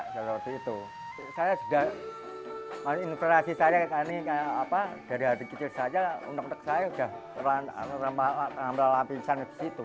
saya juga informasi saya dari hati kecil saja untuk saya sudah terlampau lapisan di situ